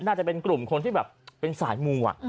น่าจะเป็นกลุ่มคนที่แบบเป็นสายมู